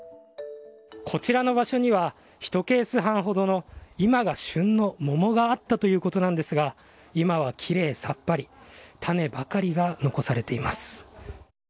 こちらの場所には１ケース半ほどの今が旬の桃があったということなんですが今はきれいさっぱり種ばかりが残されています。